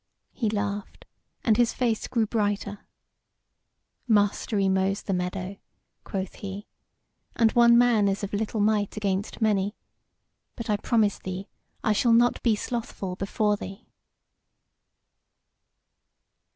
He laughed, and his face grew brighter: "Mastery mows the meadow," quoth he, "and one man is of little might against many. But I promise thee I shall not be slothful before thee."